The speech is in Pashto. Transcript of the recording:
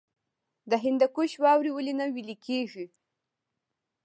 د هندوکش واورې ولې نه ویلی کیږي؟